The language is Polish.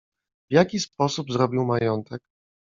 "W jaki sposób zrobił majątek?"